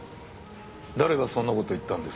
誰がそんな事を言ったんです？